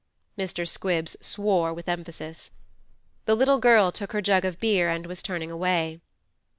Mr. Squibbs swore with emphasis. The little girl took her jug of beer and was turning away.